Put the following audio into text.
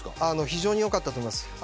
非常に良かったと思います。